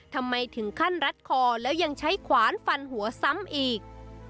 ทำไมถึงขั้นรัดคอแล้วยังใช้ขวานฟันหัวซ้ำอีก